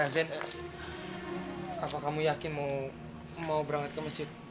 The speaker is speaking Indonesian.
azan apa kamu yakin mau berangkat ke masjid